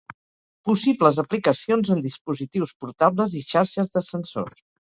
Possibles aplicacions en dispositius portables i xarxes de sensors.